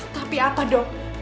tapi apa dok